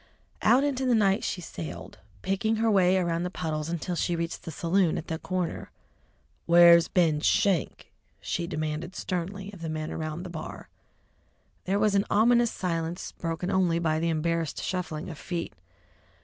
Out into the night she sallied, picking her way around the puddles until she reached the saloon at the corner. "Where's Ben Schenk?" she demanded sternly of the men around the bar. There was an ominous silence, broken only by the embarrassed shuffling of feet.